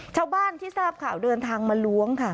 ชาวบ้านที่ทราบข่าวเดินทางมาล้วงค่ะ